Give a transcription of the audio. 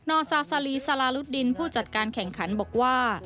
อซาซาลีซาลารุดดินผู้จัดการแข่งขันบอกว่า